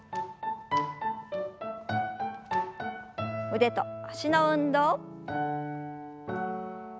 腕と脚の運動。